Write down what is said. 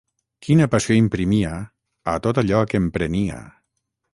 Quina passió imprimia a tot allò que emprenia!